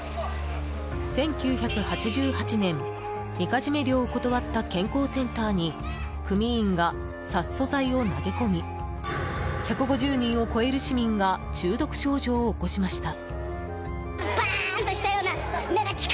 １９８８年、みかじめ料を断った健康センターに組員が殺そ剤を投げ込み１５０人を超える市民が中毒症状を起こしました。